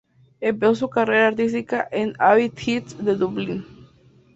Empezó su carrera artística en Abbey Theatre de Dublín.